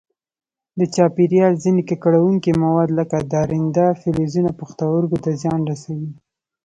د چاپېریال ځیني ککړونکي مواد لکه درانده فلزونه پښتورګو ته زیان رسوي.